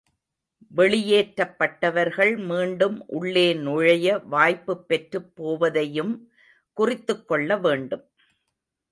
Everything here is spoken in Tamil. வெளியேற்றப் பட்டவர்கள் மீண்டும் உள்ளே நுழைய வாய்ப்புப் பெற்று போவதையும் குறித்துக்கொள்ள வேண்டும்.